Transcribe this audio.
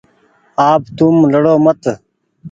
آپ توم لڙو مت